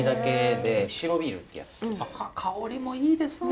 香りもいいですね！